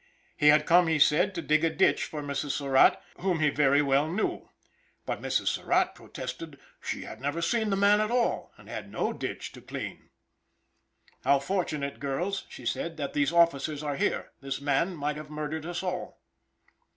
He had come, he said, to dig a ditch for Mrs. Surratt, whom he very well knew. But Mrs. Surratt protested that she had ever seen the man at all, and had no ditch to clean. "How fortunate, girls," she said, "that these officers are here; this man might have murdered us all."